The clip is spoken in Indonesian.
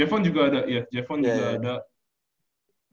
jeffon juga ada ya jeffon juga ada